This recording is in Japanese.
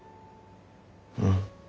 うん。